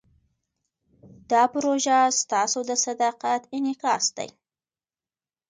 دا پروژه ستاسو د صداقت انعکاس دی.